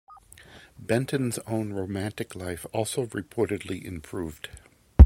Benton's own romantic life also reportedly improved.